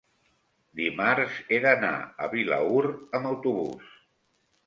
dimarts he d'anar a Vilaür amb autobús.